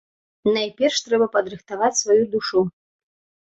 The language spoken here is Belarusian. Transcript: Найперш трэба падрыхтаваць сваю душу.